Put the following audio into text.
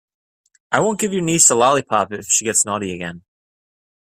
I won't give your niece a lollipop if she gets naughty again.